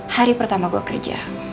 hari pertama gue kerja